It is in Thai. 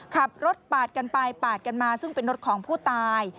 ขับรถปาดกันไปปาดกันมาซึ่งเป็นรถของผู้ตาย